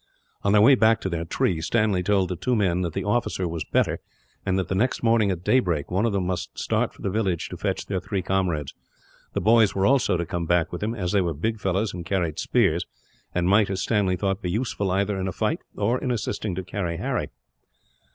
On their way back to their tree, Stanley told the two men that the officer was better; and that the next morning, at daybreak, one of them must start for the village to fetch their three comrades. The boys were also to come back with him, as they were big fellows and carried spears; and might, as Stanley thought, be useful either in a fight or in assisting to carry Harry.